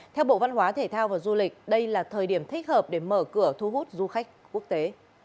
theo bộ văn hóa thể thao và du lịch đây là thời điểm thích hợp để mở cửa thu hút du khách quốc tế